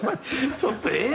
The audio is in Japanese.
ちょっと、えーっ？